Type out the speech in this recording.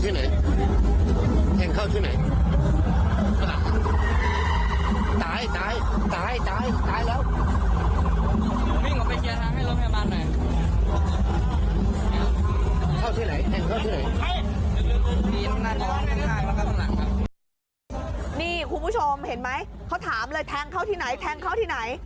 นี่คุณผู้ชมเห็นไหมเขาถามเลยแทงเข้าที่ไหน